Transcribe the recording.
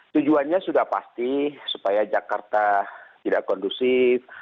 tujuannya sudah pasti supaya jakarta tidak kondusif